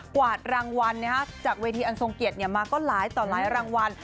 กวาดรางวัลจากเวทีอันทรงเกียรติมาก็หลายต่อหลายรางวัล